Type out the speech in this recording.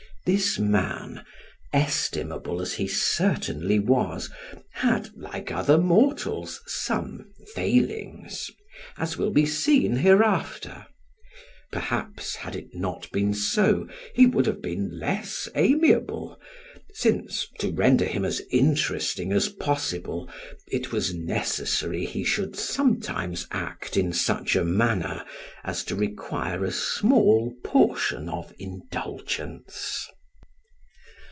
This man, estimable as he certainly was, had, like other mortals, some failings, as will be seen hereafter; perhaps had it not been so, he would have been less amiable, since, to render him as interesting as possible, it was necessary he should sometimes act in such a manner as to require a small portion of indulgence.